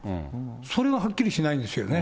それははっきりしないんですよね。